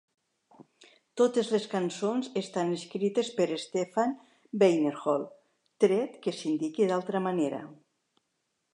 Totes les cançons estan escrites per Stefan Weinerhall, tret que s'indiqui d'altra manera.